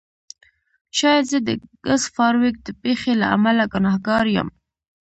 شاید زه د ګس فارویک د پیښې له امله ګناهګار یم